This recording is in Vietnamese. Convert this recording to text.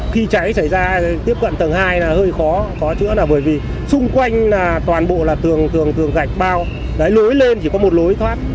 điều xảy ra tiếp cận tầng hai hơi khó khó chữa là bởi vì xung quanh toàn bộ là tường gạch bao lối lên chỉ có một lối thoát